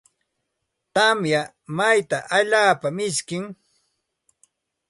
Tamya wayta alaapa mishkim.